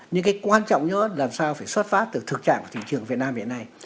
nhưng cái quan trọng nhất làm sao phải xuất phát từ thực trạng của thị trường việt nam hiện nay